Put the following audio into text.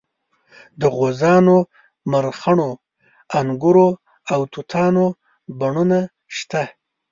د غوزانو مرخڼو انګورو او توتانو بڼونه شته.